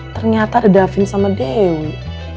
ternyata ada davin sama dewi